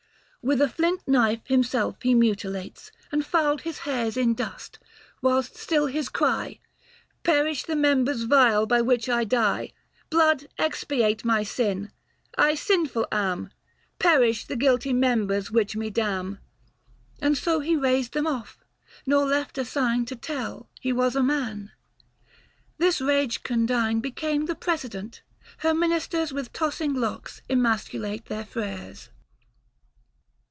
' With a flint knife himself he mutilates, And fouled his hairs in dust, whilst still his cry ' Perish the members vile by which I die, Blood expiate my sin, I sinful am, 270 Perish the guilty members which me damn.' And so he razed them off, nor left a sign, To tell he was a man. This rage condign Became the precedent, her ministers With tossing locks emasculate their freres."